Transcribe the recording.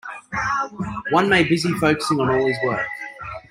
One may busy focusing on his work.